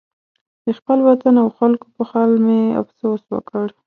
د خپل وطن او خلکو په حال مې افسوس وکړ.